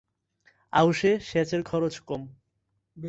আউশে সেচের খরচ কম।